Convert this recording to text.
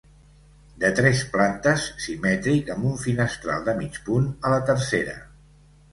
De tres plantes, simètric, amb un finestral de mig punt a la tercera.